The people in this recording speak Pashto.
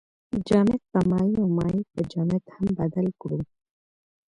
جامد په مایع او مایع په جامد هم بدل کړو.